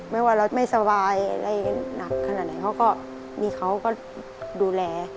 ไม่ว่าเราไม่สบายอะไรหนักขนาดไหนเขาก็มีเขาก็ดูแล